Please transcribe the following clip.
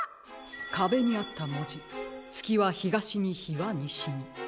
かべにあったもじ「つきはひがしに日はにしに」。